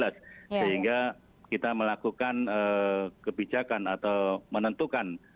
sehingga kita melakukan kebijakan atau menentukan